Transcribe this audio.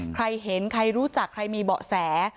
ใครเห็นใครรู้จักใครมีเบาะแส